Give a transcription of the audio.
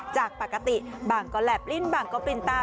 จากปกติบางก็แหลบลิ้นบางก็ปลิ้นตา